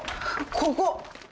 ここ。